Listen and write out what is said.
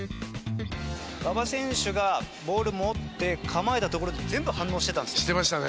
馬場選手がボールを持って構えたところに全部反応してたんですよ。